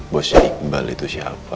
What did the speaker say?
bosnya iqbal itu siapa